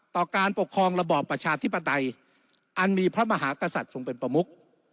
การปกครองระบอบประชาธิปไตยอันมีพระมหากษัตริย์ทรงเป็นประมุก